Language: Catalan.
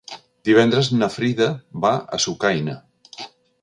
Divendres na Frida va a Sucaina.